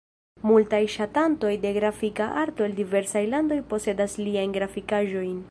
Multaj ŝatantoj de grafika arto el diversaj landoj posedas liajn grafikaĵojn.